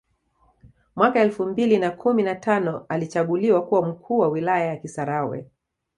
Mwaka elfu mbili na kumi na tano alichaguliwa kuwa mkuu wa wilaya ya kisarawe